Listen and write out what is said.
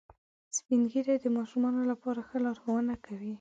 سپین ږیری د ماشومانو لپاره ښه لارښوونه کوي